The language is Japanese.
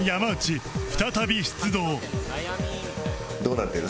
どうなってる？